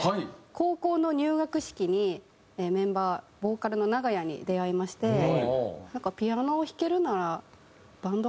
高校の入学式にメンバーボーカルの長屋に出会いましてなんか「ピアノ弾けるならバンド入らない？」っていう。